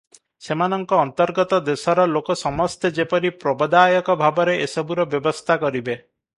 ସେମାନଙ୍କ ଅନ୍ତର୍ଗତ ଦେଶର ଲୋକ ସମସ୍ତେ ଯେପରି ପ୍ରବଦାୟକ ଭାବରେ ଏସବୁର ବ୍ୟବସ୍ଥା କରିବେ ।